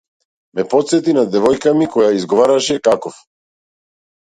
Ме потсети на девојка ми која изговараше какоф.